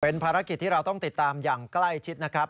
เป็นภารกิจที่เราต้องติดตามอย่างใกล้ชิดนะครับ